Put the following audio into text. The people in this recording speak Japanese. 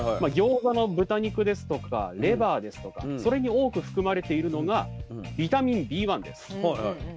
ギョーザの豚肉ですとかレバーですとかそれに多く含まれているのがビタミンＢです。